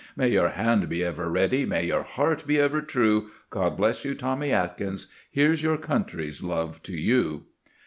May your hand be ever ready! May your heart be ever true! God bless you, Tommy Atkins! Here's your country's love to you!